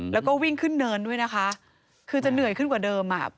แล้วก็วิ่งขึ้นเนินด้วยนะคะคือจะเหนื่อยขึ้นกว่าเดิมอ่ะ